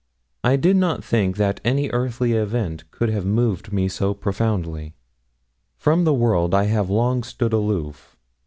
I did not think that any earthly event could have moved me so profoundly. From the world I have long stood aloof.